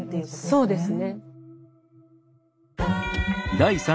そうですね。